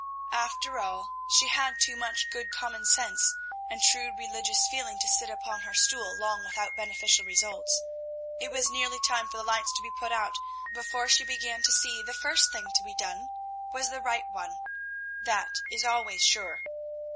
After all, she had too much good common sense and true religious feeling to sit upon her stool long without beneficial results. It was nearly time for the lights to be put out before she began to see the first thing to be done was the right one; that is always sure.